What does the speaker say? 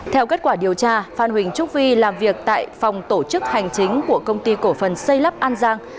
theo kết quả điều tra phan huỳnh trúc vi làm việc tại phòng tổ chức hành chính của công ty cổ phần xây lắp an giang